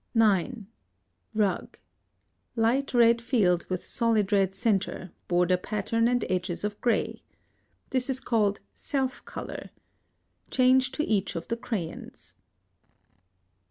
9. Rug. Light red field with solid red centre, border pattern and edges of gray. This is called self color. Change to each of the crayons.